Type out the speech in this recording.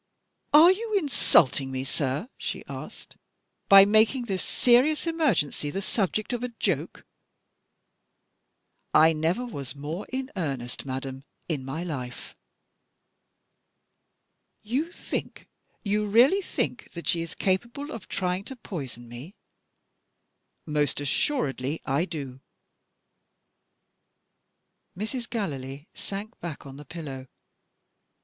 "Are you insulting me, sir," she asked, "by making this serious emergency the subject of a joke?" "I never was more in earnest, madam, in my life." "You think you really think that she is capable of trying to poison me?" "Most assuredly I do." Mrs. Gallilee sank back on the pillow. Mr.